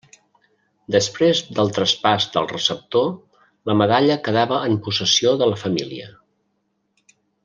Després del traspàs del receptor, la medalla quedava en possessió de la família.